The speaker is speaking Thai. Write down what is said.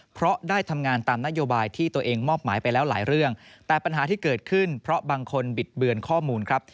เพราะได้ทำงานตามนโยบายที่ตัวเองมอบหมายไปแล้วหลายเรื่องแต่ปัญหาที่เกิดขึ้นเพราะบางคนบิดเบือนข้อมูลครับ